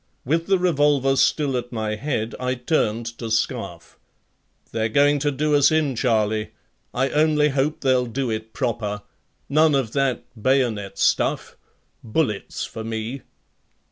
With the revolver still at my head I turned to Scarfe: "They're going to do us in, Charlie. I only hope they'll do it proper. None of that bayonet stuff. Bullets for me."